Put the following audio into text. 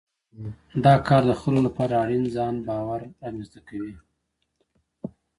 دا کار د خلکو لپاره اړین ځان باور رامنځته کوي.